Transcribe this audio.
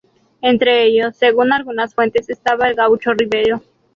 Entre ellos, según algunas fuentes, estaba el Gaucho Rivero.